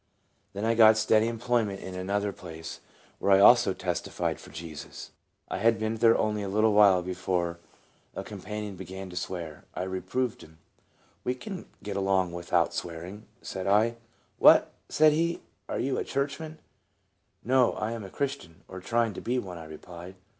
Then I got steady employment in another 62 TRANSFORMED. place, where also I testified for Jesus. I had been there only a little while before a com panion began to swear. I reproved him. " We can get along without swearing," said I. " What !" said he, " are you a churchman ?" "No, I am a Christian, or trying to be one," I replied.